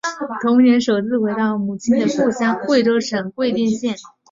同年首次回到母亲的故乡贵州省贵定县。